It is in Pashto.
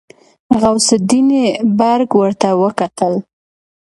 غوث الدين برګ ورته وکتل.